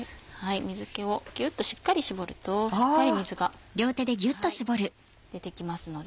水気をギュっとしっかり絞るとしっかり水が出てきます。